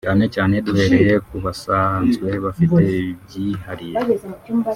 cyane cyane duhereye ku basanzwe bafite ibyihariye